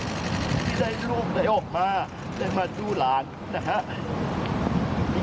ที่ได้ลูกไหนออกมาได้มาสู้หลานนะครับ